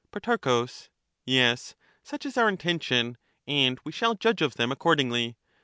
Pro. Yes, such is our intention, and we shall judge of them accordingly.